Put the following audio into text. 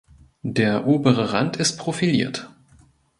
Der obere Rand ist profiliert.